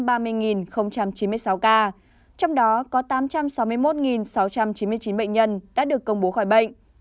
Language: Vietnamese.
trong đó có tám trăm sáu mươi một sáu trăm chín mươi chín bệnh nhân đã được công bố khỏi bệnh